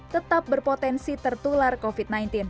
tetap berpotensi tertular covid sembilan belas